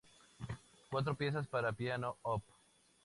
Cuatro piezas para piano, op.